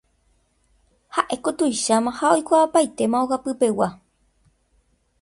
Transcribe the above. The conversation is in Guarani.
Ha'éko tuicháma ha oikuaapaitéma ogapypegua.